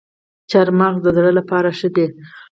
چهارمغز د زړه لپاره ښه دي